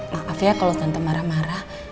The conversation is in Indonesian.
maaf ya kalau tante marah marah